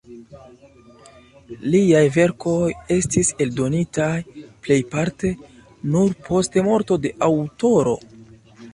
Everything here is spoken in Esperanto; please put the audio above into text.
Liaj verkoj estis eldonitaj plejparte nur post morto de aŭtoro.